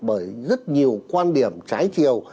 bởi rất nhiều quan điểm trái chiều